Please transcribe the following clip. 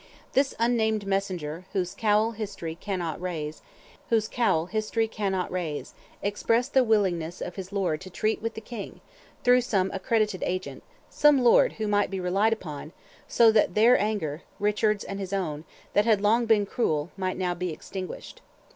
This unnamed messenger, whose cowl history cannot raise, expressed the willingness of his lord to treat with the King, through some accredited agent—"some lord who might be relied upon"—"so that their anger (Richard's and his own), that had long been cruel, might now be extinguished."